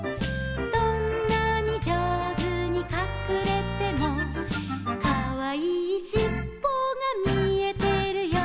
「どんなに上手にかくれても」「かわいいしっぽが見えてるよ」